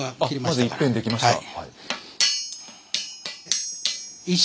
まず１辺できました。